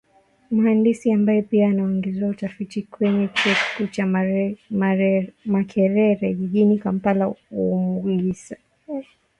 Mhandisi ambaye pia anaongoza utafiti kwenye chuo kikuu cha Makerere jijini Kampala Omugisa amesema